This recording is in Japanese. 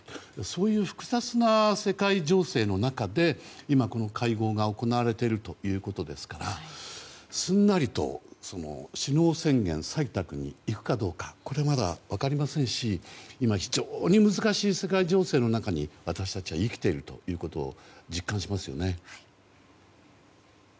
そういう複雑な世界情勢の中で今、この会合が行われているということですからすんなりと首脳宣言採択にいくかどうかこれはまだ分かりませんし今、非常に難しい世界情勢の中に私たちは生きているということを実感しますよね。